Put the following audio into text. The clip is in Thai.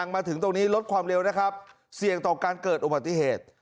มาถึงตรงนี้ลดความเร็วนะครับเสี่ยงต่อการเกิดอุบัติเหตุ